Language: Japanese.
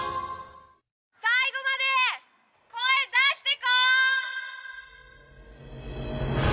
最後まで声だしてこー！